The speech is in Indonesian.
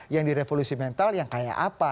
yang di revolusi mental yang kayak apa